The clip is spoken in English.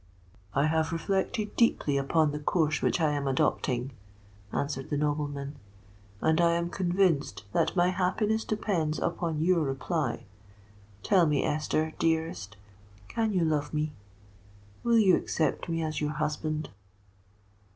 "I have reflected deeply upon the course which I am adopting," answered the nobleman, "and I am convinced that my happiness depends upon your reply. Tell me, Esther dearest—can you love me? Will you accept me as your husband?'